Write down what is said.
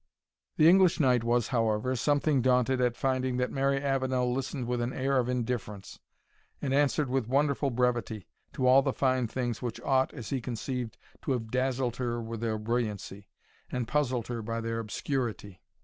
The English knight was, however, something daunted at finding that Mary Avenel listened with an air of indifference, and answered with wonderful brevity, to all the fine things which ought, as he conceived, to have dazzled her with their brilliancy, and puzzled her by their obscurity.